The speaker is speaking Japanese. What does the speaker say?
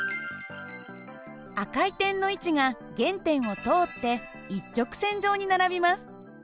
赤い点の位置が原点を通って一直線上に並びます。